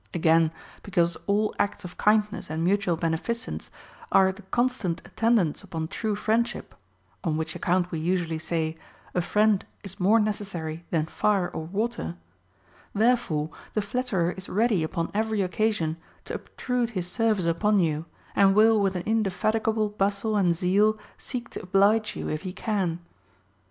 Again, because all acts of kindness and mutual benefi cence are the constant attendants upon true friendship (on which account we usually say, A friend is more necessary than fire or water), therefore the flatterer is ready upon every occasion to obtrude his service upon you, and will with an indefatigable bustle and zeal seek to oblige you if he can.